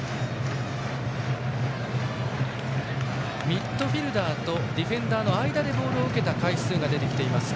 ミッドフィールダーとディフェンダーの間でボールを受けた回数が出ていました。